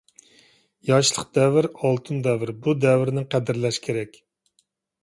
ياشلىق — دەۋر ئالتۇن دەۋر. بۇ دەۋرىنى قەدىرلەش كېرەك.